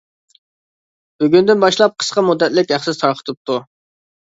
بۈگۈندىن باشلاپ قىسقا مۇددەتلىك ھەقسىز تارقىتىپتۇ.